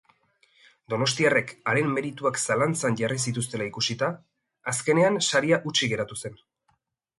Donostiarrek haren merituak zalantzan jarri zituztela ikusita, azkenean saria hutsik geratu zen.